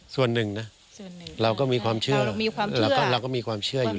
ส่วนหนึ่งเราก็มีความเชื่ออยู่แล้วความเชื่อมั่น